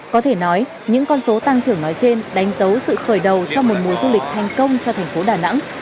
có thể nói những con số tăng trưởng nói trên đánh dấu sự khởi đầu cho một mùa du lịch thành công cho thành phố đà nẵng